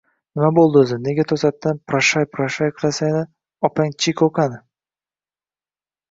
— Nima bo‘ldi o‘zi? Nega to‘satdan proshay-proshay qilasanlar? Opang Chiko qani?